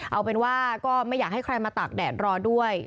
เอาเป็นว่าก็ไม่อยากให้ใครมาตากแดดรอด้วย